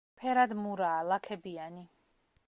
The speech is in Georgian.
ფერად მურაა, ლაქებიანი.